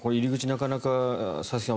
なかなか、佐々木さん